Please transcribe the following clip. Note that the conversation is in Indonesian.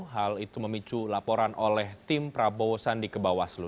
hal itu memicu laporan oleh tim prabowo